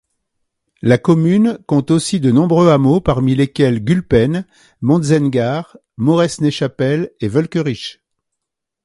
La commune compte aussi de nombreux hameaux parmi lesquels Gulpen, Montzen-Gare, Moresnet-Chapelle et Völkerich.